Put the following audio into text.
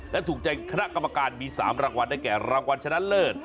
และถูกใจคณะกรรมการมี๓รางวัลได้แก่รางวัลชนะเลิศ